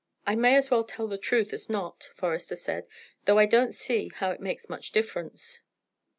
"I may as well tell the truth as not," Forester said; "though I don't see how it makes much difference."